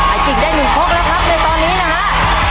ไอ้กิ๊กได้หนึ่งพกแล้วครับตอนนี้นะฮะ